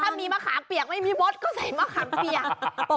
ถ้ามีมะขามเปียกไม่มีมดก็ใส่มะขามเปียก